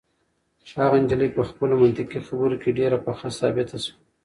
هغه نجلۍ په خپلو منطقي خبرو کې ډېره پخه ثابته شوه.